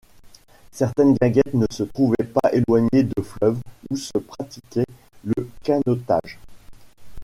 Certaines guinguettes ne se trouvaient pas éloignées de fleuves où se pratiquait le canotage.